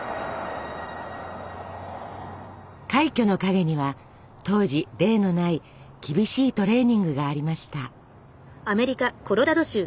快挙の陰には当時例のない厳しいトレーニングがありました。